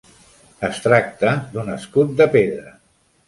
Es tracta d'un escut de pedra.